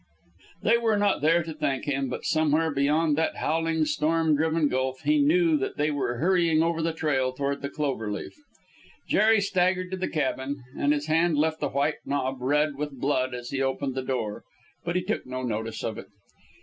They were not there to thank him; but somewhere beyond that howling, storm driven gulf he knew they were hurrying over the trail toward the Clover Leaf. Jerry staggered to the cabin, and his hand left the white knob red with blood as he opened the door, but he took no notice of it.